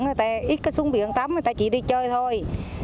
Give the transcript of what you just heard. người ta ít có xuống biển tắm người ta chỉ đi chơi thôi